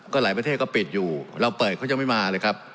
หลายประเทศก็ปิดอยู่เราเปิดเขายังไม่มาเลยครับ